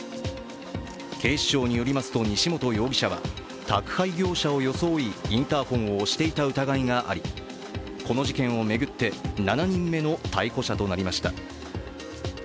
警視庁によりますと西本容疑者は宅配業者を装いインターフォンを押していた疑いがありこの事件を巡って、７人目の逮捕者となりました。